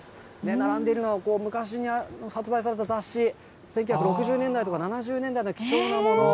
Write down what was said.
並んでいるのは、昔に発売された雑誌、１９６０年代とか７０年代の貴重なもの。